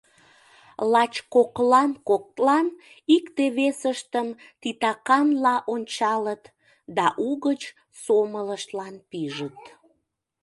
Лач коклан-коклан икте-весыштым титаканла ончалыт да угыч сомылыштлан пижыт.